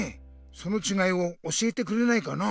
そのちがいを教えてくれないかな。